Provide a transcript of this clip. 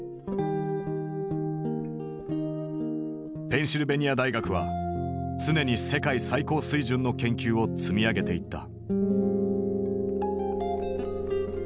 ペンシルベニア大学は常に世界最高水準の研究を積み上げていった。